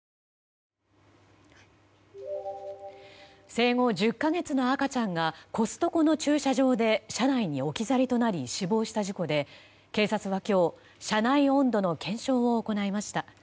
生後１０か月の赤ちゃんがコストコの駐車場で車内に置き去りとなり死亡した事故で警察は今日車内温度の検証を行いました。